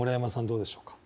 どうでしょうか？